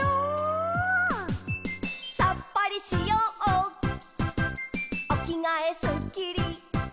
「さっぱりしようおきがえすっきり」